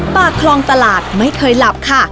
ปากคลองตลาดไม่เคยหลับค่ะ